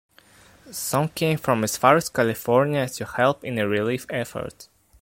Some came from as far as California to help in the relief effort.